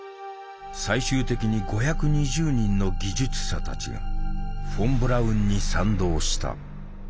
最終的に５２０人の技術者たちがフォン・ブラウンに賛同した。